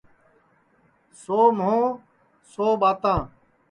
سو مُہو سو ٻاتاں